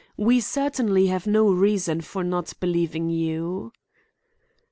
We certainly have no reason for not believing you."